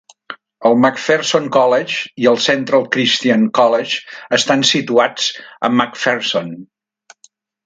El McPherson College i el Central Christian College estan situats a McPherson.